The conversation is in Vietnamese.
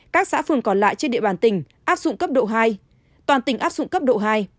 các xã phường còn lại trên địa bàn tỉnh áp dụng cấp độ hai toàn tỉnh áp dụng cấp độ hai